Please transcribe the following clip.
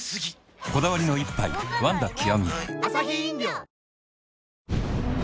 こだわりの一杯「ワンダ極」